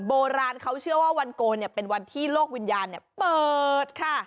โบราณเขาเชื่อว่าวันโกนเป็นวันที่โลกวิญญาณเปิดค่ะ